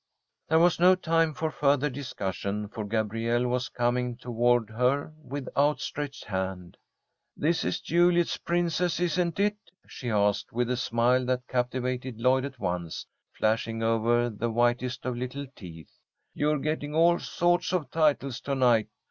There was no time for further discussion, for Gabrielle was coming toward her with outstretched hand. "This is Juliet's Princess, isn't it?" she asked, with a smile that captivated Lloyd at once, flashing over the whitest of little teeth. "You're getting all sorts of titles to night.